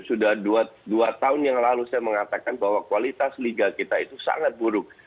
sudah dua tahun yang lalu saya mengatakan bahwa kualitas liga kita itu sangat buruk